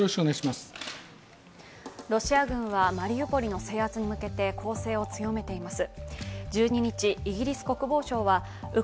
ロシア軍はマリウポリの制圧に向けて攻勢を強めています。